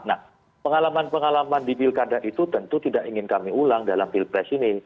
nah pengalaman pengalaman di pilkada itu tentu tidak ingin kami ulang dalam pilpres ini